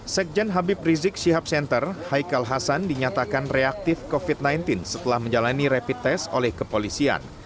sekjen habib rizik syihab center haikal hasan dinyatakan reaktif covid sembilan belas setelah menjalani rapid test oleh kepolisian